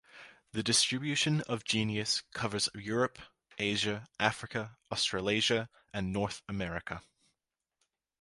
The distribution of the genus covers Europe, Asia, Africa, Australasia and North America.